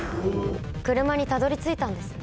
車にたどり着いたんですね。